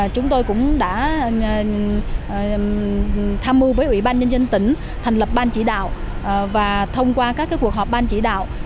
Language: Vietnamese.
chúng tôi cũng đã tham mưu với ủy ban nhân dân tỉnh thành lập ban chỉ đạo và thông qua các cuộc họp ban chỉ đạo